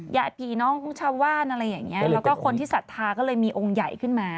ญาติผีน้องของชาวบ้านอะไรอย่างเงี้ยแล้วก็คนที่ศรัทธาก็เลยมีองค์ใหญ่ขึ้นมา